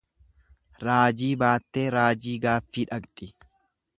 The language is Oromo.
Raajii baattee raajii gaaffii dhaqxi.